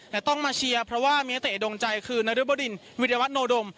แต่ต้องมาเชียร์เพราะว่ามีนักเตะดงใจคือนรบดินวิรวัตโนดม